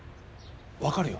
分かるよ。